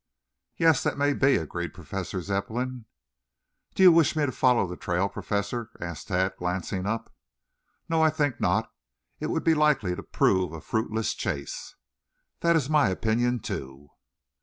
"Yes, that may be," agreed Professor Zepplin. "Do you wish me to follow the trail, Professor?" asked Tad, glancing up. "No, I think not. It would be likely to prove a fruitless chase." "That is my opinion too."